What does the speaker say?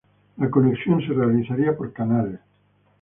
La conexión se realizaría por canales.